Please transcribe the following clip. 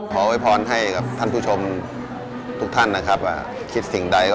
ขอไว้พร้อมให้กับท่านผู้ชมทุกท่านคิดสิ่งใด